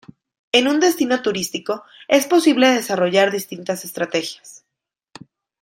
En un destino turístico es posible desarrollar distintas estrategias.